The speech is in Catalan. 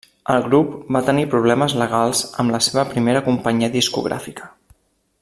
El grup va tenir problemes legals amb la seva primera companyia discogràfica.